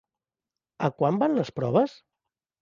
A quant van les proves?